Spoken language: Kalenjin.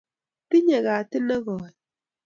Tinyei gatit negooy